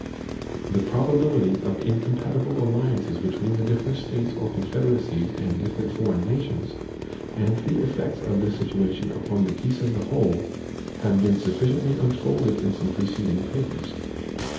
The probability of incompatible alliances between the different States or confederacies and different foreign nations, and the effects of this situation upon the peace of the whole, have been sufficiently unfolded in some preceding papers.